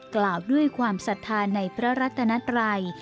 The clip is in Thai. กล่าวด้วยความศรัทธาในพระรัตนัตรัย